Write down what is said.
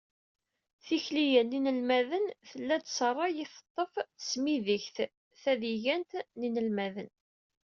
Tikli-a n yinelmaden, tella-d s rray i teṭṭef Tesmidegt tadigant n yinelmaden.